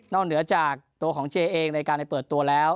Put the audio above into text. เหนือจากตัวของเจเองในการไปเปิดตัวแล้ว